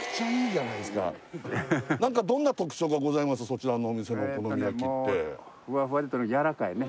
そちらのお店のお好み焼きってやわらかい？